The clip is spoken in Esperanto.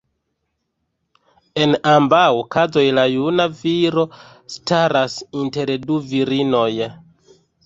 En ambaŭ kazoj la juna "viro" staras inter du virinoj.